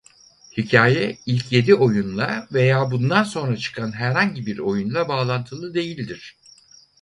Hikâye ilk yedi oyunla veya bundan sonra çıkan herhangi bir oyunla bağlantılı değildir.